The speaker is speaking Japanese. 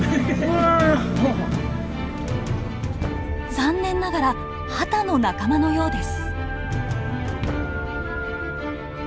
残念ながらハタの仲間のようです。